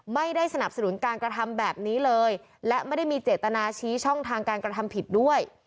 ไม่ได้สนับสนุนการกระทำแบบนี้เลยและไม่ได้มีเจตนาชี้ช่องทางการกระทำผิดด้วย